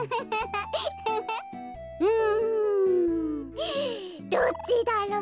うん。どっちだろう。